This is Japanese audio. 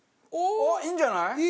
あっいいんじゃない？